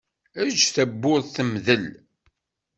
Eǧǧ tawwurt temdel.